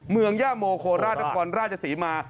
เมืองย่าโมโคราชนครราชศรีมา